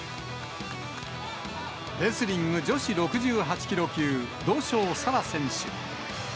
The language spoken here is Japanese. レスリング女子６８キロ級、土性沙羅選手。